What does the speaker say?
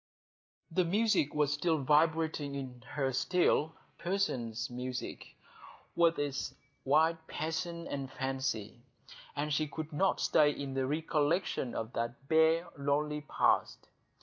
The music was vibrating in her still,—Purcell's music, with its wild passion and fancy,—and she could not stay in the recollection of that bare, lonely past.